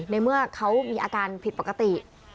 ในเมื่อเขามีอาการผิดปกติ